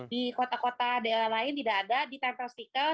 di kota kota daerah lain tidak ada ditempel stikel